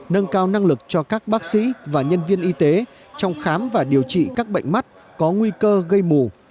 nâng cao năng lực cho các bác sĩ và nhân viên y tế trong khám và điều trị các bệnh mắt có nguy cơ gây mù